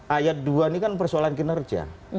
ayat dua ini kan persoalan kinerja